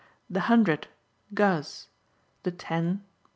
the hundred GtLZ ; the ten